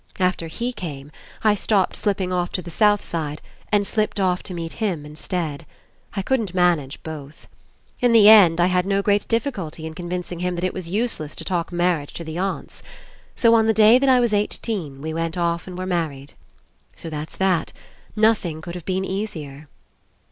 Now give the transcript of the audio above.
After he came, I stopped slip ping off to the south side and slipped off to meet him Instead. I couldn't manage both. In the end I had no great difficulty In convincing him that It was useless to talk marriage to the aunts. So on the day that I was eighteen, we went off and were married. So that's that. Nothing could have been easier."